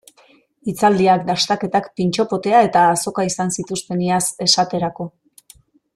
Hitzaldiak, dastaketak, pintxo potea eta azoka izan zituzten iaz, esaterako.